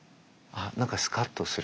何かスカッとする。